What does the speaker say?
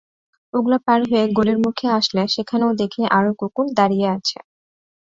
ওগুলো পার হয়ে গলির মুখে আসলে সেখানেও দেখি আরও কুকুর দাঁড়িয়ে আছে।